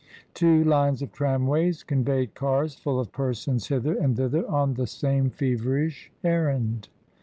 Two lines of tramways conveyed cars full of persons hither and thither on the same feverish errand.